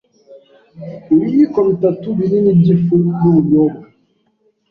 ibiyiko bitatu binini by’ ifu y’ubunyobwa